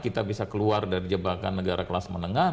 kita bisa keluar dari jebakan negara kelas menengah